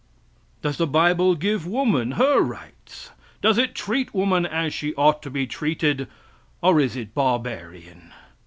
Does the bible give woman her rights? Does it treat woman as she ought to be treated, or is it barbarian?